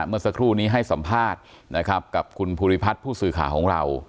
เมื่อสักครู่นี้ให้สัมภาษณ์นะครับกับคุณภูริพัฒน์ผู้สื่อข่าวของเรา